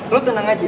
lo tenang aja ya